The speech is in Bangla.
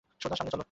সোজা সামনে চলো।